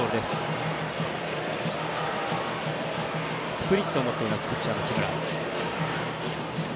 スプリットを持っていますピッチャーの木村。